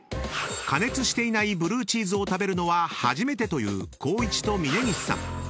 ［加熱していないブルーチーズを食べるのは初めてという光一と峯岸さん。